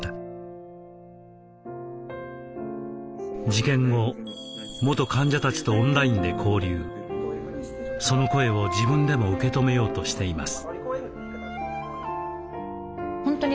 事件後元患者たちとオンラインで交流その声を自分でも受け止めようとしています。